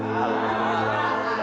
yang begini selalu setuju saya